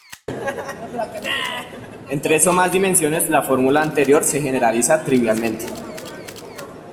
En tres o más dimensiones la fórmula anterior se generaliza trivialmente.